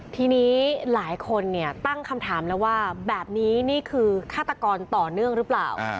ทีนี้หลายคนตั้งคำถามแล้วว่าแบบนี้นี่คือฆาตกรต่อเนื่องหรือเปล่า